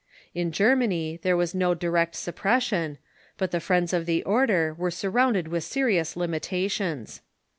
In Germany there was no direct suppression, but the friends of the order were surrounded with serious limitations.